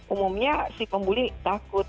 umumnya si pembuli takut